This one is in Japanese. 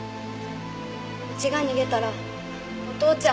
うちが逃げたらお父ちゃん。